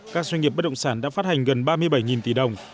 các doanh nghiệp bất động sản đã phát hành gần ba mươi bảy tỷ đồng